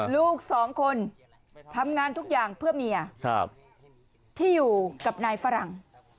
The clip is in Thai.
ลูกสองคนทำงานทุกอย่างเพื่อเมียที่อยู่กับนายฝรั่ง